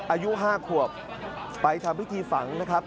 อายุ๕ขวบไปทำพิธีฝังนะครับ